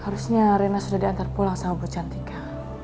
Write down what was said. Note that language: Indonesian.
harusnya rena sudah diantar pulang sama bu cantika